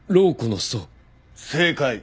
正解。